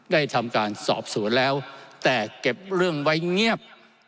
ได้ทำการสอบสวนแล้วแต่เก็บเรื่องไว้เงียบ